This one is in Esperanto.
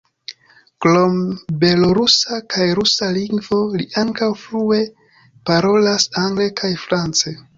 Krom belorusa kaj rusa lingvo, li ankaŭ flue parolas angle kaj france.